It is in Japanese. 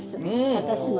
私も。